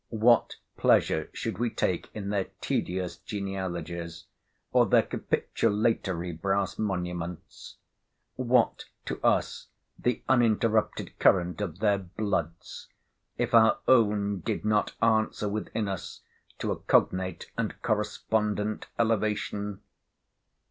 what pleasure should we take in their tedious genealogies, or their capitulatory brass monuments? What to us the uninterrupted current of their bloods, if our own did not answer within us to a cognate and correspondent elevation?